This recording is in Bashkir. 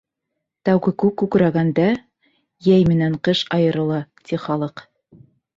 Тәүге күк күкрәгәндә, йәй менән ҡыш айырыла, ти халыҡ.